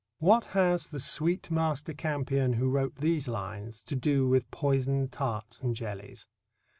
What has the "sweet master Campion" who wrote these lines to do with poisoned tarts and jellies?